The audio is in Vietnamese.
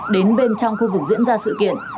đến bên trong khu vực diễn ra sự kiện